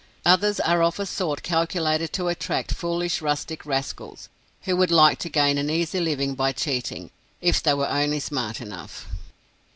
Others are of a sort calculated to attract foolish rustic rascals who would like to gain an easy living by cheating, if they were only smart enough.